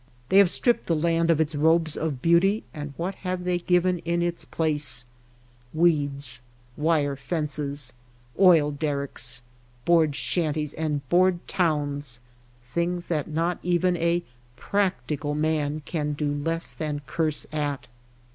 They have stripped the land of its robes of beauty, and what have they given in its place ? Weeds, wire fences, oil derricks, board shanties and board towns — things that not even a ^' practical man ^^ can do less than curse at.